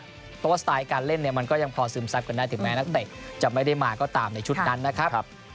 เพราะว่าสไตล์การเล่นเนี่ยมันก็ยังพอซึมซับกันได้ถึงแม้นักเตะจะไม่ได้มาก็ตามในชุดนั้นนะครับ